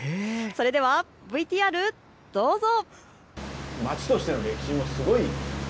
それではＶＴＲ、どうぞ。